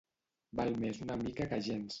Val més una mica que gens.